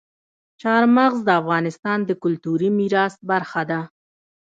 چار مغز د افغانستان د کلتوري میراث برخه ده.